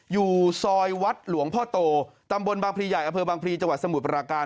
อยู่ซอยวัดหลวงพ่อโตตำบลบางพลีใหญ่อำเภอบางพลีจังหวัดสมุทรปราการ